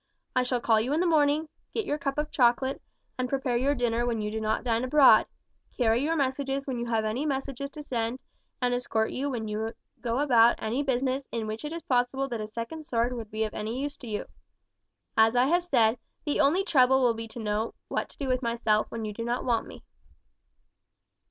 I shall call you in the morning, get your cup of chocolate, and prepare your dinner when you do not dine abroad, carry your messages when you have any messages to send, and escort you when you go about any business in which it is possible that a second sword would be of use to you. As I have said, the only trouble will be to know what to do with myself when you do not want me."